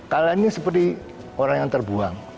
kalian ini seperti orang yang terbuang